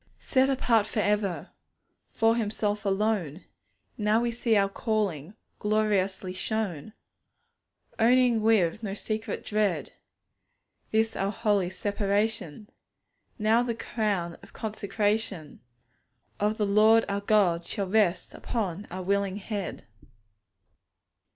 Set apart for ever For Himself alone! Now we see our calling Gloriously shown. Owning, with no secret dread, This our holy separation, Now the crown of consecration[footnote: Num. vi. 7.] Of the Lord our God shall rest upon our willing head.